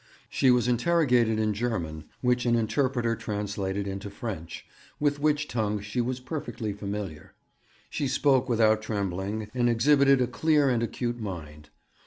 She was interrogated in German, which an interpreter translated into French, with which tongue she was perfectly familiar. She spoke without trembling, and exhibited a clear and acute mind.